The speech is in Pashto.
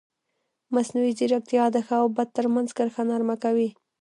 مصنوعي ځیرکتیا د ښه او بد ترمنځ کرښه نرمه کوي.